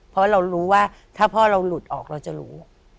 เพราะเรารู้ว่าถ้าพ่อเราหลุดออกเราจะรู้